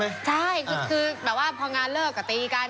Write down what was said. ใช่คือแบบว่าพองานเลิกก็ตีกัน